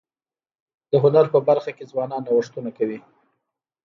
د هنر په برخه کي ځوانان نوښتونه کوي.